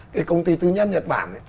cái công ty thứ nhất nhật bản